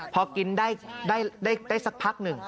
พอกินได้สักพักหนึ่ง